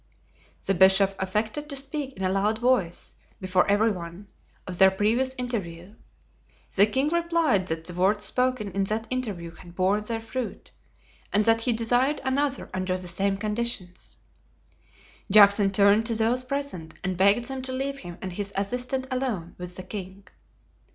The bishop affected to speak in a loud voice, before every one, of their previous interview. The king replied that the words spoken in that interview had borne their fruit, and that he desired another under the same conditions. Juxon turned to those present and begged them to leave him and his assistant alone with the king.